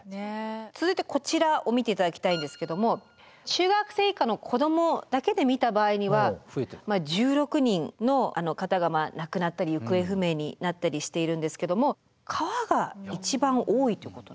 続いてこちらを見ていただきたいんですけども中学生以下の子どもだけで見た場合には１６人の方が亡くなったり行方不明になったりしているんですけども川が一番多いということ。